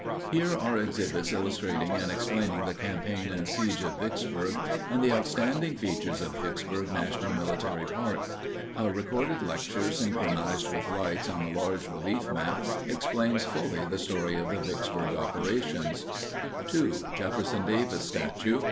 Here are exhibits illustrating and explaining the campaign and siege of Vicksburg and the outstanding features of Vicksburg National Military Park. A recorded lecture synchronized with lights on a large relief map explains fully the story of the Vicksburg operations. 2. JEFFERSON DAVIS STATUE.